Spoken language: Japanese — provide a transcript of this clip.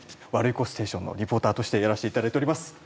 「ワルイコステーション」のリポーターとしてやらせていただいております。